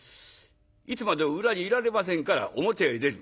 いつまでも裏にいられませんから表へ出る。